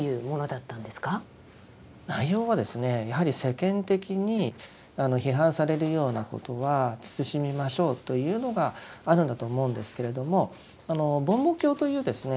内容はですねやはり世間的に批判されるようなことは慎みましょうというのがあるんだと思うんですけれども梵網経というですね